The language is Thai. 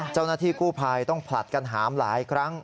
เจ้าหน้าที่กู้ภัยต้องผลัดกันหามหลายครั้ง